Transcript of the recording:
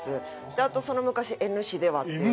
あと『その昔、Ｎ市では』っていう。